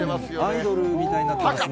アイドルみたいになってますね。